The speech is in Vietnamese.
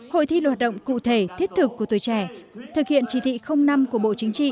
hội thi là hoạt động cụ thể thiết thực của tuổi trẻ thực hiện chỉ thị năm của bộ chính trị